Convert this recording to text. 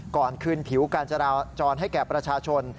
ก่อนคืนผิวการจราจรให้แก่ประชาชน